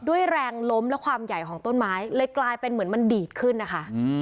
ด้วยแรงล้มและความใหญ่ของต้นไม้เลยกลายเป็นเหมือนมันดีดขึ้นนะคะ